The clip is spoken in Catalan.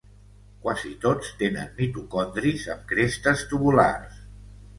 Quasi tots tenen mitocondris amb crestes tubulars.